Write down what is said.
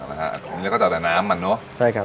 อันนี้ก็จะเอาแต่น้ำมันเนอะ